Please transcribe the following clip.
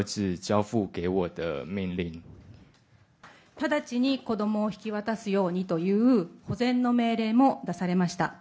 直ちに子どもを引き渡すようにという、保全の命令も出されました。